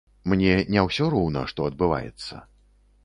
Мне не ўсё роўна, што адбываецца.